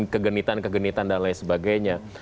kegenitan kegenitan dan lain sebagainya